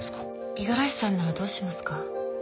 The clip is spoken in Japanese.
「五十嵐さんならどうしますか？」